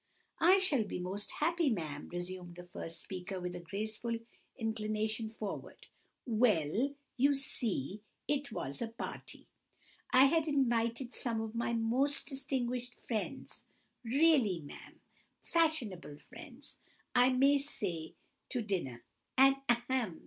"I shall be most happy, ma'am," resumed the first speaker, with a graceful inclination forwards. "Well!—you see—it was a party. I had invited some of my most distinguished friends—really, ma'am, fashionable friends, I may say, to dinner; and, ahem!